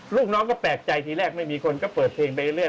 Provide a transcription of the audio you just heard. ลูกน้องก็แปลกใจทีแรกไม่มีคนก็เปิดเพลงไปเรื่อย